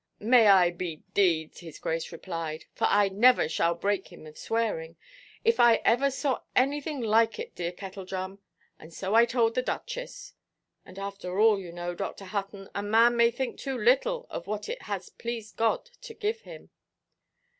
'May I be d—d,' his grace replied, for I never shall break him of swearing, 'if I ever saw anything like it, dear Kettledrum, and so I told the Duchess.' And after all, you know, Dr. Hutton, a man may think too little of what it has pleased God to give him."